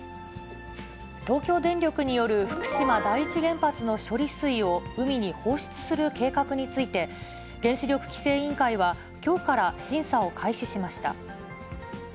東京電力による、福島第一原発の処理水を、海に放出する計画について、原子力規制委員会は、きょうから審査を開始しました。